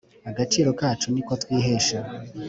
Agaciro kacu niko twihesha